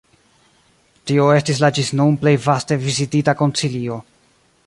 Tio estis la ĝis nun plej vaste vizitita koncilio.